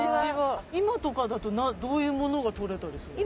今とかだとどういうものがとれたりするんですか？